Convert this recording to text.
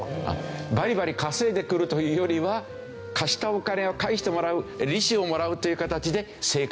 バリバリ稼いでくるというよりは貸したお金を返してもらう利子をもらうという形で生活している。